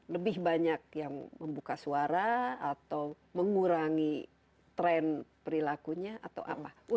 lebih banyak yang membuka suara atau mengurangi tren perilakunya atau apa